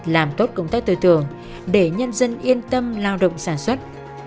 làm tốt công tác tư tưởng để nhân dân yên tâm lao động sản xuất